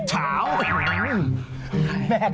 เอ๊ะจะบ้าอะไรให้มาโกหกเถอะแบบ